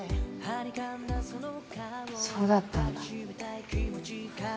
そうだったんだ。